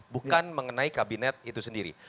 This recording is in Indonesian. bukan mengenai kabinet itu sendiri